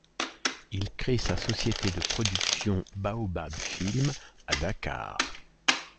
Il crée sa société de production Baobab Films à Dakar.